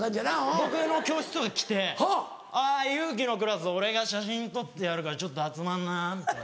僕の教室とか来て「有輝のクラス俺が写真撮ってやるからちょっと集まんな」みたいな。